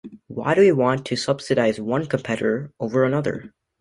Why do we want to subsidize one competitor over another?